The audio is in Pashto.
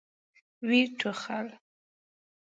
ويې ټوخل.